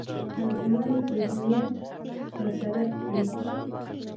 ښځمن ذهنيت مسلط کړي،